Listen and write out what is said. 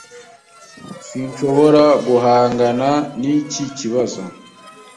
Sinshobora guhangana n'iki kibazo.